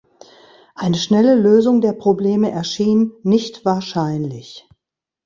Eine schnelle Lösung der Probleme erschien nicht wahrscheinlich.